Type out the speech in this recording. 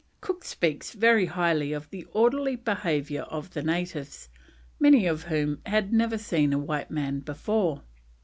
Cook speaks very highly of the orderly behaviour of the natives, many of whom had never seen a white man before.